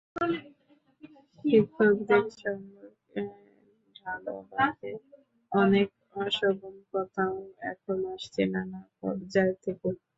শিক্ষকদের সম্পর্কে ঢালাওভাবে অনেক অশোভন কথাও এখন আসছে নানা পর্যায় থেকে।